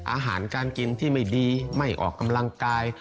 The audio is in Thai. อาหารการกินที่ไม่ดีไม่ออกกำลังกาย